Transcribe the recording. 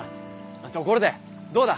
ところでどうだ？